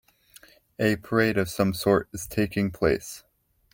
A parade of some sort is taking place.